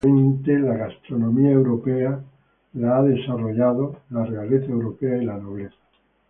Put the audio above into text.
Históricamente, la gastronomía europea ha sido desarrollada en la realeza europea y la nobleza.